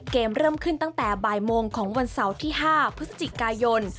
เริ่มขึ้นตั้งแต่บ่ายโมงของวันเสาร์ที่๕พฤศจิกายน